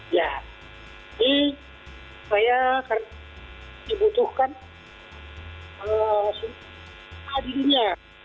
ya i saya harus dibutuhkan di dunia